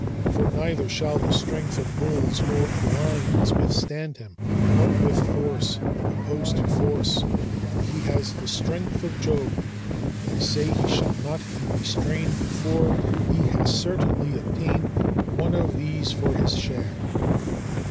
For neither shall the strength of bulls nor of lions withstand him with force opposed to force, for he has the strength of Jove, and I say he shall not be restrained before he has certainly obtained one of these for his share."